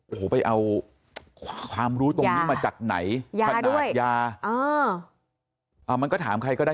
โอ้โหไปเอาความรู้ตรงนี้มาจากไหนขนาดยามันก็ถามใครก็ได้